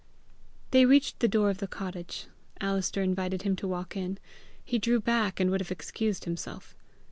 They reached the door of the cottage. Alister invited him to walk in. He drew back, and would have excused himself.